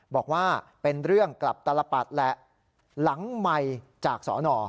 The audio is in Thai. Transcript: บอกว่าเป็นเรื่องกลับตลปัดแหละหลังใหม่จากสอนอ